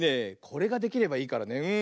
これができればいいからね。